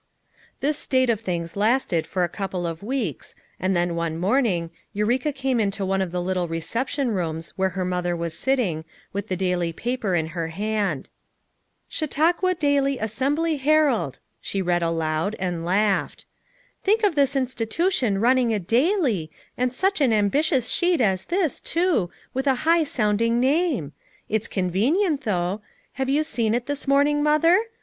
This state of things lasted for a couple of weeks, and then one morning, Eureka came into one of the little reception rooms where her mother was sitting, with the daily paper in her hand. "Chautauqua Daily Assembly Herald," she 7S FOUK MOTHERS AT CHAUTAUQUA read aloud and laughed. "Think of this insti tution running a daily, and such an ambitious sheet as this, too, with a high sounding name ! It's convenient, though. Have you seen it this morning, Mother?